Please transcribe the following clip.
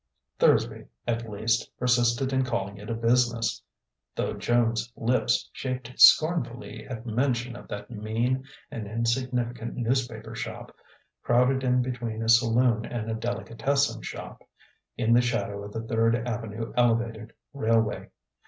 Thursby, at least, persisted in calling it a business; though Joan's lips shaped scornfully at mention of that mean and insignificant newspaper shop, crowded in between a saloon and a delicatessen shop, in the shadow of the Third Avenue Elevated Railway.